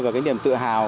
và cái niềm tự hào